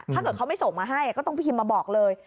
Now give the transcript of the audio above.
ถ้าเกิดเขาไม่ส่งมาให้ก็ต้องไปพิมพ์มาบอกเลย